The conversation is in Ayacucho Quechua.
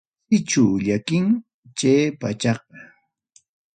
Sichu llakinki chay pachaqa.